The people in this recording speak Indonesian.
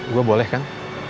gue boleh kan